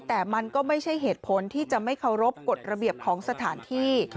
แต่มันก็ไม่ใช่เหตุผลที่จะไม่เคารพกฎระเบียบของสถานที่